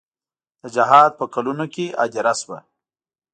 د جهاد په کلونو کې هدیره شوه.